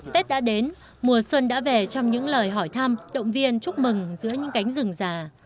tết đã đến mùa xuân đã về trong những lời hỏi thăm động viên chúc mừng giữa những cánh rừng già